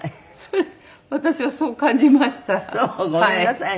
ごめんなさいね。